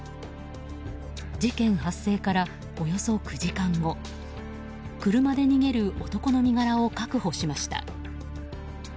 事件発生から、およそ９時間後車で逃げる男の身柄を確保しました。